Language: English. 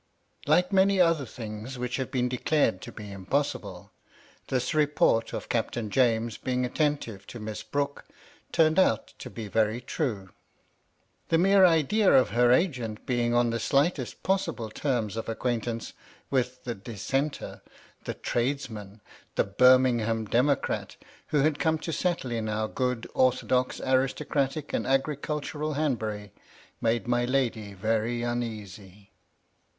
Like many other things which have been declared to be impossible, this report of Captain James being attentive to Miss Brooke turned out to be very true. The mere idea of her agent being on the slightest possible terms of acquaintance with the Dissenter, the tradesman, the Birmingham democrat, who had come to settle in our good, orthodox, aristocratic, and agri cultural Hanbury, made my lady very uneasy.